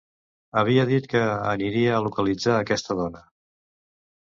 Havia dit que aniria a localitzar aquesta dona.